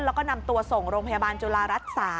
แล้วก็นำตัวส่งโรงพยาบาลจุฬารัฐ๓